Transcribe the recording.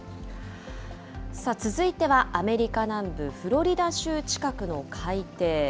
続いてはアメリカ南部フロリダ州近くの海底。